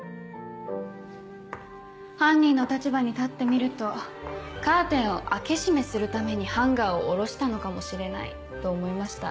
犯人の立場に立ってみるとカーテンを開け閉めするためにハンガーを下ろしたのかもしれないと思いました。